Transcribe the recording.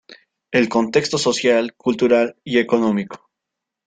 El "Contexto social, cultural y económico.